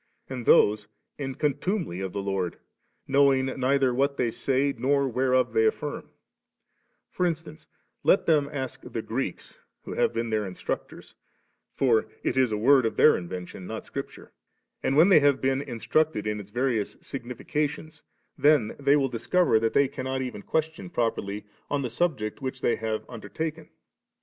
and those in con tumely of the Lord, knowing * neither what they say nor whereof they affirms/ For instance, let them ask the Greeks, who have been their instructors (for it is a word of their invention, not Scripture), and when they have been in ttrMded in its various significations, then they will discover that they cannot even question properly, on the subject which they have un dertaken.